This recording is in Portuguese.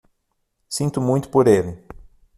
Sinto muito por ele.